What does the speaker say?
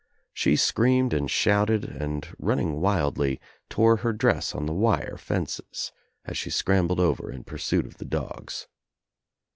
She screamed and shouted and running wildly tore her dress on the wire fences as she scrambled over in pursuit of the dogs.